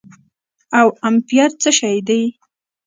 او امپير څه شي دي